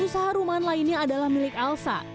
usaha ruman lainnya adalah milik alsa